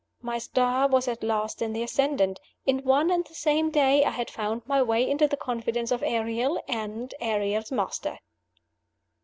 My star was at last in the ascendant! In one and the same day I had found my way into the confidence of Ariel and Ariel's master.